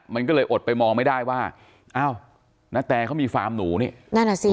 มันก็เลยอดไปมองไม่ได้ว่าอ้าวณแตเขามีฟาร์มหนูนี่นั่นอ่ะสิ